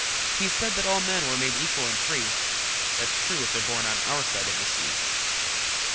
He said that all men were made equal and free, (That's true if they're born on our side of the sea!)